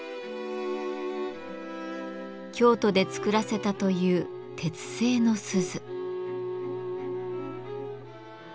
京都で作らせたという鉄製の鈴。